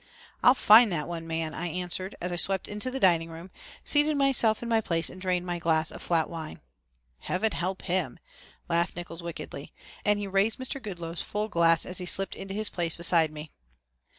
"I'll find that one man," I answered as I swept into the dining room, seated myself in my place and drained my glass of flat wine. "Heaven help him!" laughed Nickols wickedly, and he raised Mr. Goodloe's full glass as he slipped into his place beside me.